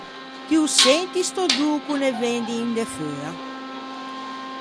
Ti ô senti st’ödô ch’o ne ven d’in de feua?